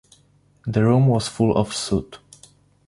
The room was full of soot.